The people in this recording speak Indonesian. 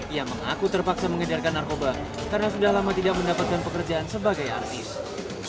ia mengaku terpaksa mengedarkan narkoba karena sudah lama tidak mendapatkan pekerjaan sebagai artis